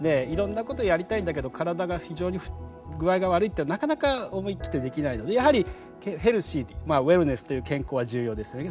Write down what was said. いろんなことをやりたいんだけど体が非常に具合が悪いっていうのはなかなか思い切ってできないのでやはりヘルシーまあウエルネスという健康は重要です。